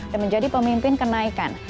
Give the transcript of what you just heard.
dan menjadi pemimpin kenaikan